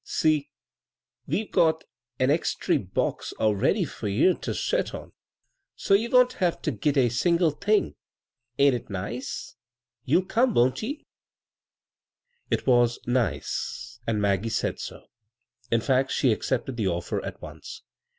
See, we've got a eztry box awready :i,vGooglc CROSS CURRENTS for you ter set on, so we won't have t^ git a single thing. Ain't it nice? You'll come, won't ye?" It was "nice," and Maggie said so. In fact, she accepted the offer at once.